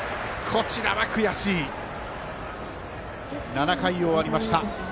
７回、終わりました。